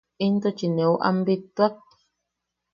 ¿Intuchi neu am bittuak?